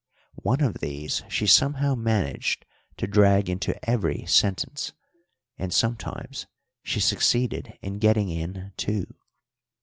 One of these she somehow managed to drag into every sentence, and sometimes she succeeded in getting in two.